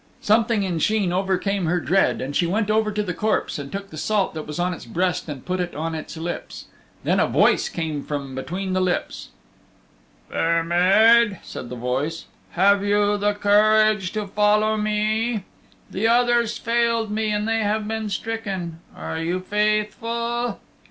Something in Sheen overcame her dread, and she went over to the corpse and took the salt that was on its breast and put it on its lips. Then a voice came from between the lips. "Fair Maid," said the voice, "have you the courage to follow me? The others failed me and they have been stricken. Are you faithful?"